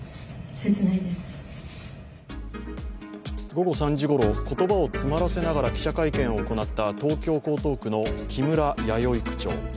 午後３時ごろ言葉を詰まらせながら記者会見を行った東京・江東区の木村弥生区長。